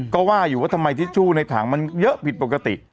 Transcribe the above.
ก็ว่าอยู่ว่าทำไมทิชชู่ในถังมันเยอะผิดปกติ